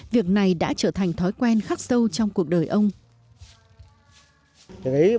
việc này đã trở thành thói quen khắc sâu trong cuộc đời ông